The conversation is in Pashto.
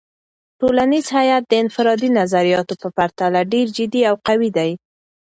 ټولنیز هیت د انفرادي نظریاتو په پرتله ډیر جدي او قوي دی.